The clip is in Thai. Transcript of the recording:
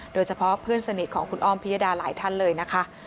โดยเฉพาะเพื่อนสนิทของคุณอ้อมพิยดาหลายท่านเลยนะคะ